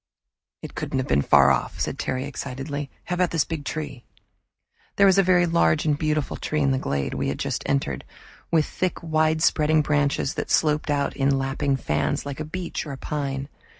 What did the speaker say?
"It couldn't have been far off," said Terry excitedly. "How about this big tree?" There was a very large and beautiful tree in the glade we had just entered, with thick wide spreading branches that sloped out in lapping fans like a beech or pine.